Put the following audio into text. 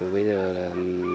bây giờ là